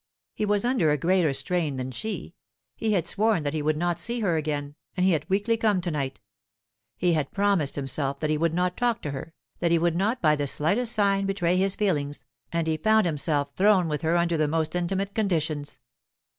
He was under a greater strain than she. He had sworn that he would not see her again, and he had weakly come to night; he had promised himself that he would not talk to her, that he would not by the slightest sign betray his feelings, and he found himself thrown with her under the most intimate conditions.